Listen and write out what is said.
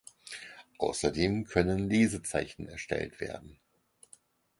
Außerdem können Lesezeichen erstellt werden.